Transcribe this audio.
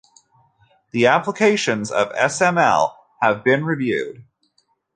The applications of SmI have been reviewed.